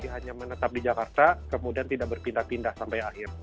hanya menetap di jakarta kemudian tidak berpindah pindah sampai akhir